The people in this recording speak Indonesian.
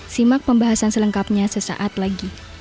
simak pembahasan selengkapnya sesaat lagi